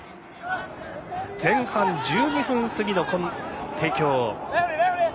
前半１２分過ぎの帝京。